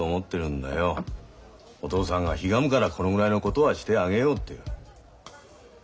お父さんがひがむからこのぐらいのことはしてあげようっていう。